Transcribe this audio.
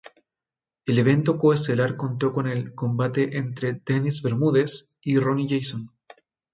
El evento co-estelar contó con el combate entre Dennis Bermúdez y Rony Jason.